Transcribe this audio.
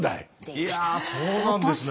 いやそうなんですね